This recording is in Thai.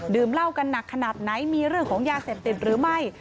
เหล้ากันหนักขนาดไหนมีเรื่องของยาเสพติดหรือไม่